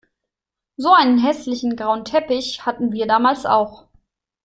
So einen hässlichen, grauen Teppich hatten wir damals auch.